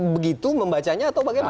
begitu membacanya atau bagaimana